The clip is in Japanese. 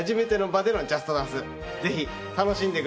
ぜひ楽しんでください。